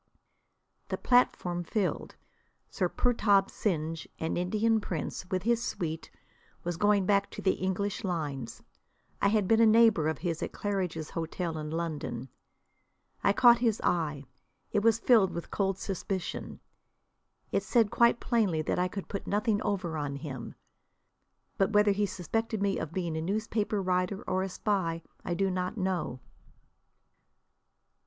The platform filled. Sir Purtab Singh, an Indian prince, with his suite, was going back to the English lines. I had been a neighbour of his at Claridge's Hotel in London. I caught his eye. It was filled with cold suspicion. It said quite plainly that I could put nothing over on him. But whether he suspected me of being a newspaper writer or a spy I do not know.